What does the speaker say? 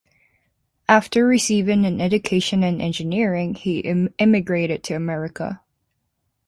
After receiving an education in engineering, he emigrated to America.